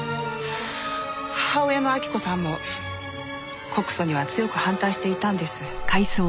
母親の晃子さんも告訴には強く反対していたんです。